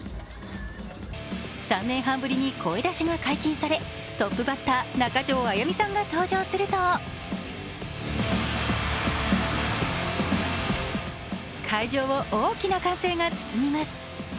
３年半ぶりに声出しが解禁され、トップバッター中条あやみさんが登場すると会場を大きな歓声が包みます。